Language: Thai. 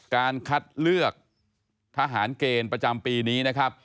การคัดเลือกทหารเกณฑ์ประจำปีนี้นะครับ